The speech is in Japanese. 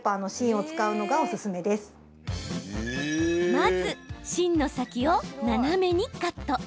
まず、芯の先を斜めにカット。